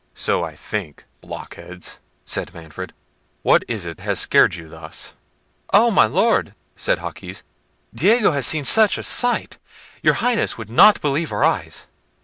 "So I think, blockheads," said Manfred; "what is it has scared you thus?" "Oh! my Lord," said Jaquez, "Diego has seen such a sight! your Highness would not believe our eyes."